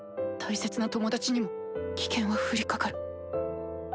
大切な友達にも危険は降りかかる。